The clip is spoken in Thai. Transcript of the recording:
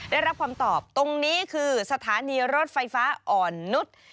ได้รับความตอบตรงนี้คือสถานีรถไฟฟ้าอ่อนนุษย์